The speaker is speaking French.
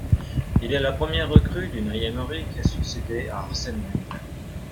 Il est la première recrue d'Unai Emery qui a succédé à Arsène Wenger.